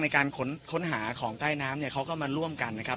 ในการค้นหาของใต้น้ำเนี่ยเขาก็มาร่วมกันนะครับ